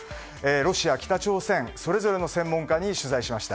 ロシア、北朝鮮のそれぞれの専門家に取材しました。